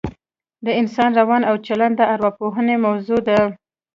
د انسان روان او چلن د اوراپوهنې موضوع ده